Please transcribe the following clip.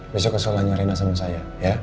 besok ke sholahnya rena sama saya ya